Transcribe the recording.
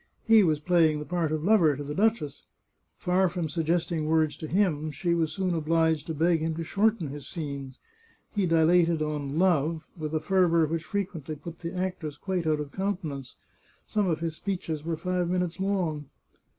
He was playing the part of lover to the duchess. Far from suggesting words to him, she was soon obliged to beg him to shorten his scenes. He dilated on " love " with a fervour which frequently put the actress quite out of countenance ; some of his speeches were five minutes long.